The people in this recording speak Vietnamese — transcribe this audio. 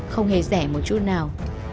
không hề rẻ một chút nào